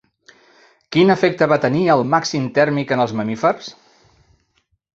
Quin efecte va tenir el màxim tèrmic en els mamífers?